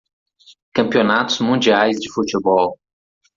Campeonatos mundiais de futebol.